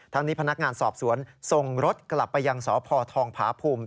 นี้พนักงานสอบสวนส่งรถกลับไปยังสพทองผาภูมิ